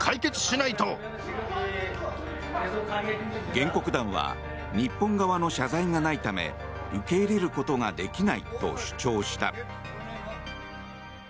原告団は日本側の謝罪がないため受け入れることができないと主張した。